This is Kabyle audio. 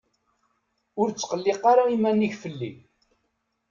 Ur ttqelliq ara iman-ik fell-i.